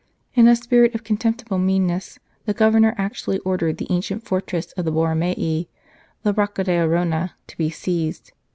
In a spirit of contemptible meanness, the Governor actually ordered the ancient fortress of the Borromei the Rocca d Arona to be seized.